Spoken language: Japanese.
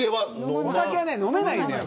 お酒は飲めないのよ。